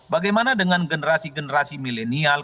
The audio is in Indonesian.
bagaimana dengan generasi generasi milenial